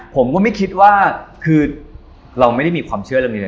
ผมก็ไม่คิดว่าคือเราไม่ได้มีความเชื่อเรื่องนี้เลย